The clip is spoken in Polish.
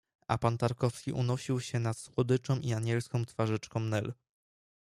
A pan Tarkowski unosił sie nad słodyczą i anielską twarzyczką Nel.